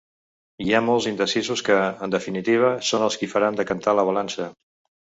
Hi ha molts indecisos que, en definitiva, són els qui faran decantar la balança.